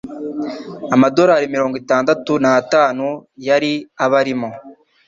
amadolari mirongo itandatu n'atanu yari abarimo